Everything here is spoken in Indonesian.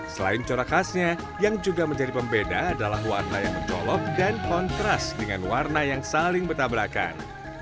selain corak khasnya yang juga menjadi pembeda adalah warna yang mencolok dan kontras dengan warna yang saling bertabrakan